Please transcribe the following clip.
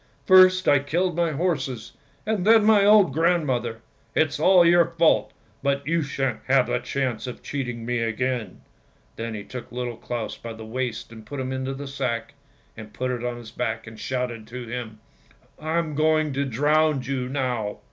First I killed my horses, and then my old grandmother! It's all your fault, but you shan't have the chance of cheating me again! " Then he took Little Claus by the waist and put him into the sack, put it on his back, and shouted to him —" I'm going to drown you now!